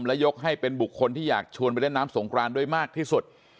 และยกให้เป็นบุคคลที่อยากชวนไปเล่นน้ำสงครานด้วยมากที่สุด